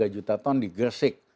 tiga juta ton di gresik